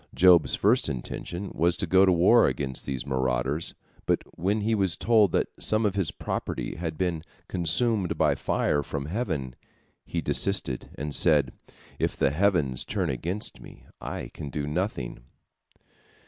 Job's first intention was to go to war against these marauders, but when he was told that some of his property had been consumed by fire from heaven, he desisted, and said, "If the heavens turn against me, I can do nothing."